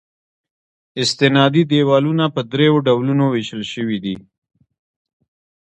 استنادي دیوالونه په درې ډولونو ویشل شوي دي